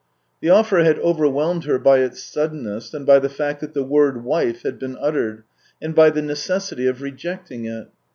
... The offer had overwhelmed her by its suddenness and by the fact that the word wife had been uttered, and by the necessity of rejecting it.